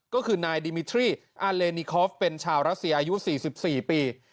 ก็คือนายดิมิทรี่อาเลนิคอฟเป็นชาวรัสเซียอายุ๔๔ปี